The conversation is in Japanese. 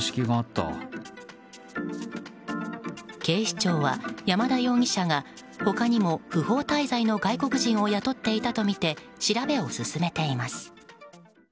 警視庁は山田容疑者が他にも不法滞在の外国人を雇っていたとみて調べを進めています。